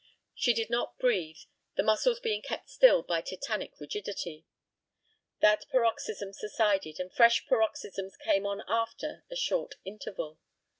She did not breathe, the muscles being kept still by tetanic rigidity. That paroxysm subsided, and fresh paroxysms came on after a short interval.